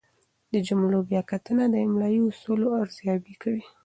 د جملو بیا کتنه د املايي اصولو ارزیابي کوي.